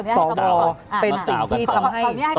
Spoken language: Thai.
สวเป็นสิ่งที่ทำให้